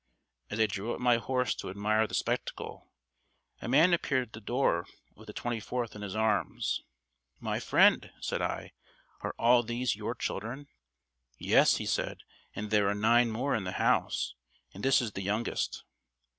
As I drew up my horse to admire the spectacle, a man appeared at the door with the twenty fourth in his arms. "'My friend,' said I, 'are all these your children?' "'Yes,' he said, 'and there are nine more in the house, and this is the youngest.'